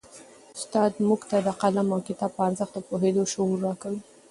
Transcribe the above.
استاد موږ ته د قلم او کتاب په ارزښت د پوهېدو شعور راکوي.